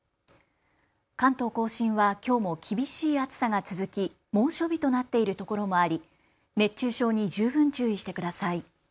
関東甲信はきょうも厳しい暑さが続き猛暑日となっている所もあり熱中症に十分注意してください。